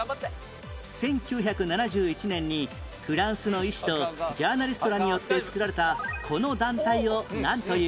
１９７１年にフランスの医師とジャーナリストらによって作られたこの団体をなんという？